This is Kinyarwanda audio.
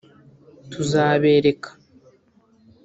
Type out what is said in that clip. tuzabereka